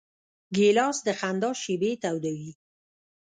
ګیلاس د خندا شېبې تودوي.